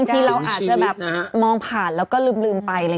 ทีเราอาจจะแบบมองผ่านแล้วก็ลืมไป